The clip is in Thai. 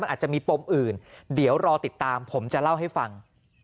อาจจะมีปมอื่นเดี๋ยวรอติดตามผมจะเล่าให้ฟัง